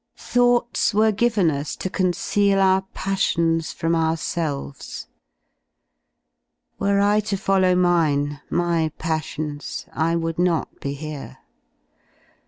54 \ "Thoughts were given us to conceal our passions from our selves !" Were I to follov^^ mine, my passions, I would not be here.